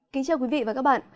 kính chào quý vị và các bạn